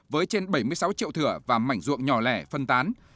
với trên bảy mươi sáu triệu thừa và mảnh ruộng nhỏ lẻ phân tán